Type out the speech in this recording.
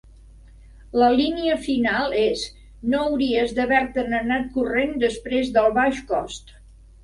La línia final és: "No hauries d'haver-te'n anat corrent després del baix cost".